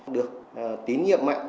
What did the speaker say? được tín nhiệm mạnh